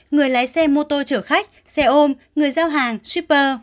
người lái xe mô tô chở khách xe ôm người giao hàng shipper